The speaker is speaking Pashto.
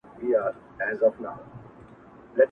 اختر چي تېر سي بیا به راسي!